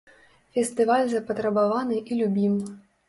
Фестываль запатрабаваны і любім.